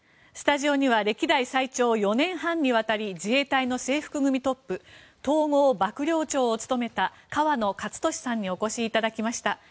スタジオには歴代最長４年半にわたり自衛隊の制服組トップ統合幕僚長を務めた河野克俊さんにお越しいただきました。